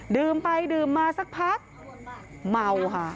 ดื่มไปดื่มมาสักพักเมาค่ะ